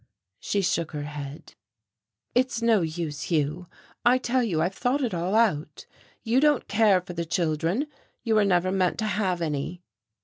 She shook her head. "It's no use, Hugh. I tell you I've thought it all out. You don't care for the children, you were never meant to have any."